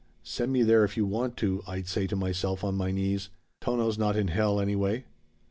'Send me there if you want to,' I'd say to myself on my knees, 'Tono's not in Hell, anyway.'"